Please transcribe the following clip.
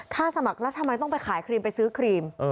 ข้าสมัครรัฐธรรมัยต้องไปขายครีมไปซื้อครีม